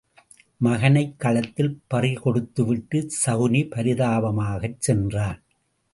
மகனைக் களத்தில் பறிகொடுத்து விட்டுச் சகுனி பரிதாபமாகச் சென்றான்.